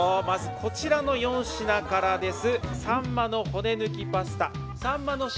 こちらの４品からです。